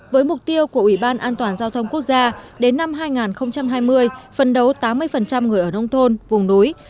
với mục tiêu của ủy ban an toàn giao thông quốc gia đến năm hai nghìn hai mươi phân đấu tám mươi người ở nông thôn vùng núi